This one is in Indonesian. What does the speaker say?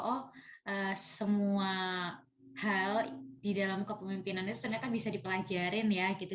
oh semua hal di dalam kepemimpinannya ternyata bisa dipelajarin ya gitu